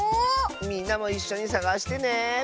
みんなもいっしょにさがしてね！